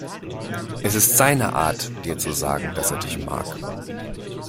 Es ist seine Art, dir zu sagen, dass er dich mag.